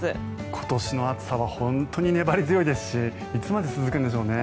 今年の暑さは本当に粘り強いですしいつまで続くんでしょうね。